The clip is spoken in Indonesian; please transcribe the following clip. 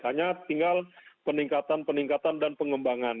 hanya tinggal peningkatan peningkatan dan pengembangan